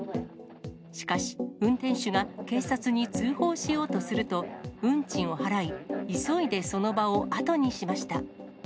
しかし、運転手が警察に通報しようとすると、運賃を払い、急いでその場を後にしました。